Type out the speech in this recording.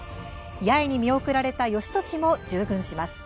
八重に見送られた義時も従軍します。